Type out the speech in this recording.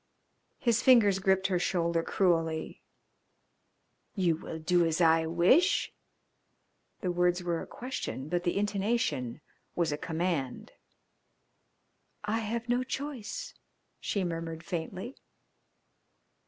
His fingers gripped her shoulder cruelly. "You will do as I wish?" The words were a question, but the intonation was a command. "I have no choice," she murmured faintly.